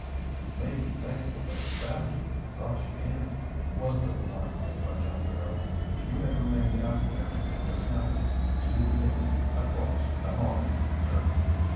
"You may be thankful that we found you and brought you in," was the remark made by John Barrow. "If you had remained out there this night, you'd 'a' been a corpse by mornin', sure!"